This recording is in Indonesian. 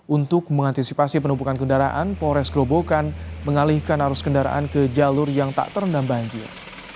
untuk mengantisipasi penumpukan kendaraan polres grobokan mengalihkan arus kendaraan ke jalur yang tak terendam banjir